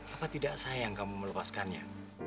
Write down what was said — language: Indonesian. apa tidak saya yang kamu melepaskannya